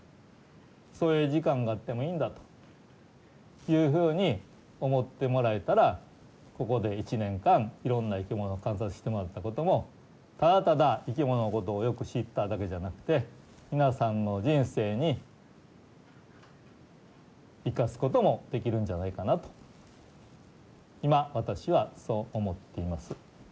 そういう時間があってもいいんだというふうに思ってもらえたらここで１年間いろんな生き物を観察してもらったこともただただ生き物のことをよく知っただけじゃなくて皆さんの人生に生かすこともできるんじゃないかなと今私はそう思っています。